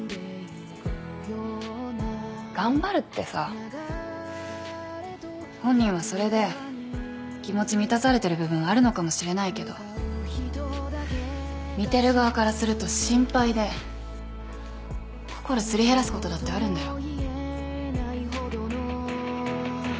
頑張るってさ本人はそれで気持ち満たされてる部分あるのかもしれないけど見てる側からすると心配で心すり減らすことだってあるんだよ。